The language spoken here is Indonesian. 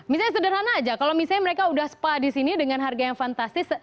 misalnya sederhana aja kalau misalnya mereka udah spa disini dengan harga yang fantastis